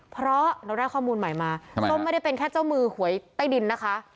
เพราะเราได้ข้อมูลใหม่มาส้มไม่ได้เป็นแค่เจ้ามือหวยใต้ดินนะคะ